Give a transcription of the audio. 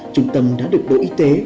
trung tâm đã được bộ y tế